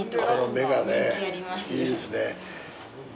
いいですね。